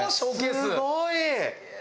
すごい！